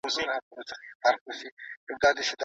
د لیکوالو اثار باید په مکتبونو کې تدریس شي.